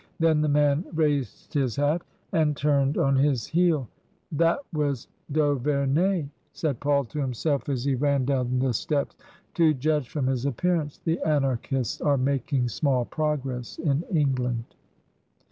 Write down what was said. Then the man raised his hat and turned on his heel. " That was d'Auvemey," said Paul to himself, as he ran down the steps; "to judge from his appearance, the Anarchists are making small progress in England."